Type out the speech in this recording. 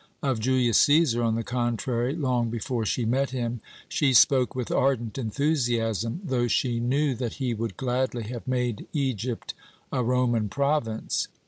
Of Julius Cæsar, on the contrary, long before she met him, she spoke with ardent enthusiasm, though she knew that he would gladly have made Egypt a Roman province.